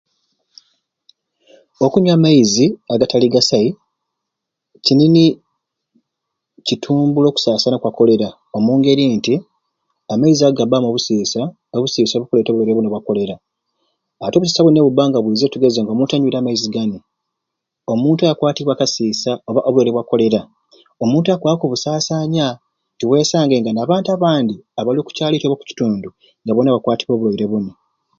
Okunywa amaizi agatali gasai kini nii kitumbula okusasana kwa koleera omungeri nti amaizi ago gabamu obusisa, obusisa obukuleta obulwaire buni obwa koleera, ati obusisa buni nibubanga bwizire katugeze nga omuntu anywire amaizi gani omuntu oyo akwatibwa akasisa oba obulwaire bwa koleera omuntu oyo akwakubusasanya nti wesange nga nabantu abandi abali oku kyalo ekyo oba ekitundu nga bona bakwatibwe obulwaire buni.